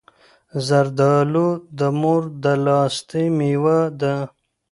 زردالو د مور د لاستی مېوه ده.